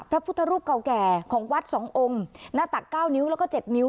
พระพุทธรูปเก่าแก่ของวัด๒องค์หน้าตัก๙นิ้วแล้วก็๗นิ้ว